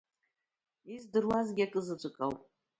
Издыруазгьы акызаҵәык ауп…